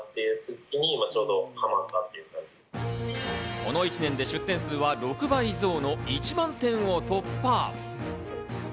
この１年で出店数は６倍増の１万点を突破。